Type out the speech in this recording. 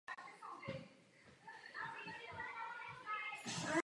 Podle tradičního zvyku jméno dítěte vybírá právě kmotr.